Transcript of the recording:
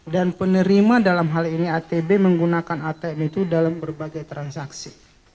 dan penerima dalam hal ini atb menggunakan atm itu dalam berbagai transaksi